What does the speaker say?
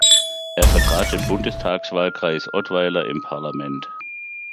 Er vertrat den Bundestagswahlkreis Ottweiler im Parlament.